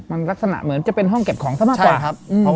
มันลักษณะเหมือนจะเป็นห้องเก็บของซะมากกว่าใช่ครับอืมอืมอืม